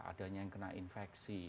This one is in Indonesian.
adanya yang kena infeksi